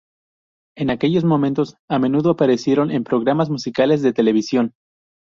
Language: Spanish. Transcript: En aquellos momentos, a menudo aparecieron en programas musicales de televisión.